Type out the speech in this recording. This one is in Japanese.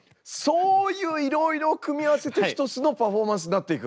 そういういろいろを組み合わせて一つのパフォーマンスになっていく？